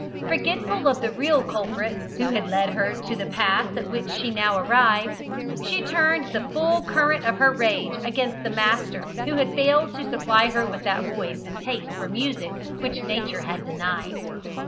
Forgetful of the real culprit, who had led her to the pass at which she had now arrived, she turned the full current of her rage against the master who had failed to supply her with that voice and taste for music which nature had denied.